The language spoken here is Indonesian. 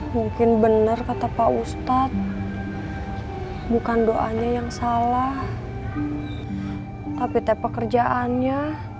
mungkin benar kata pak ustadz bukan doanya yang salah tapi pekerjaannya